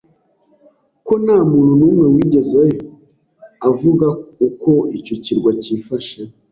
ko nta muntu n'umwe wigeze avuga uko icyo kirwa cyifashe.